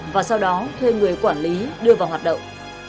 và sau đó thuê người quản lý đưa vào hoạt động